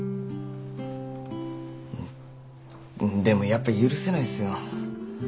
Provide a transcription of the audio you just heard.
でもやっぱ許せないっすよ。